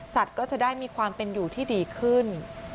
ก็จะได้มีความเป็นอยู่ที่ดีขึ้น